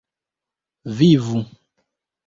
vivu